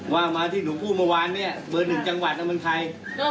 ว่ามาที่หนูพูดเมื่อวานเนี่ยเบอร์หนึ่งจังหวัดนั้นมันใคร